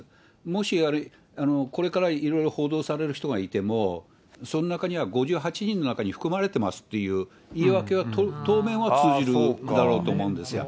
もしこれからいろいろ報道される人がいても、その中には５８人の中に含まれてますっていう言い訳は当面は通じるだろうと思うんですよ。